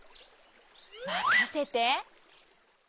まかせて！